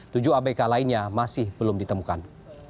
tujuh abk lainnya masih belum ditemukan